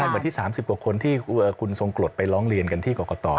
วันที่๓๐กว่าคนที่คุณทรงกรดไปร้องเรียนกันที่กรกต